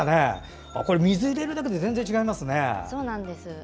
水を入れるだけで全然違いますね。